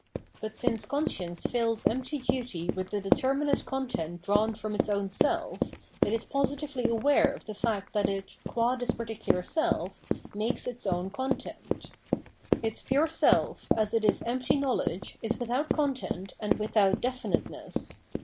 But since conscience fills empty duty with a determinate con tent drawn from its own sefi, it is positively aware of the fact that it, qua this particular self, makes its own content. Its pure self, as it is empty knowledge, is without content and without definiteness.